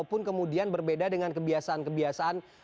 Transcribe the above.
walaupun kemudian berbeda dengan kebiasaan kebiasaan